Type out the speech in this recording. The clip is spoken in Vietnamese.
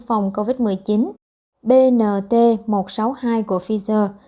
phòng covid một mươi chín bnt một trăm sáu mươi hai của pfizer